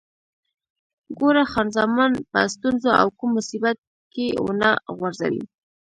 ګوره، خان زمان په ستونزو او کوم مصیبت کې ونه غورځوې.